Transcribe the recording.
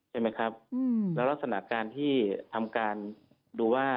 ใช่ไหมครับแล้วลักษณะการที่ทำการดูว่า